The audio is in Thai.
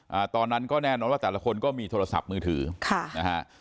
อ่าตอนนั้นก็แน่นอนว่าแต่ละคนก็มีโทรศัพท์มือถือค่ะนะฮะ